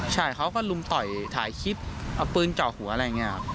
ใช่เขาก็ลุมต่อยถ่ายคลิปเอาปืนเจาะหัวอะไรอย่างนี้ครับ